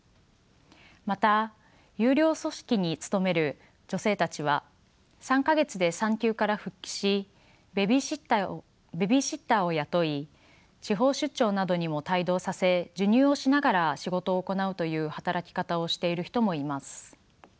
また優良組織に勤める女性たちは３か月で産休から復帰しベビーシッターを雇い地方出張などにも帯同させ授乳をしながら仕事を行うという働き方をしている人もいます。